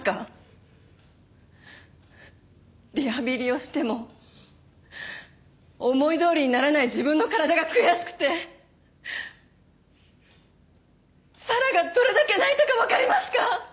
リハビリをしても思いどおりにならない自分の体が悔しくて咲良がどれだけ泣いたかわかりますか！？